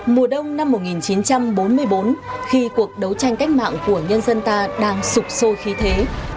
mùa đông năm một nghìn chín trăm bốn mươi bốn khi cuộc đấu tranh cách mạng của nhân dân ta đang sụp sôi khí thế